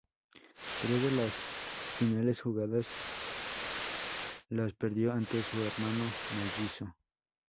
Tres de las finales jugadas las perdió ante su hermano mellizo.